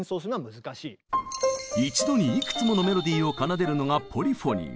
一度にいくつものメロディーを奏でるのが「ポリフォニー」。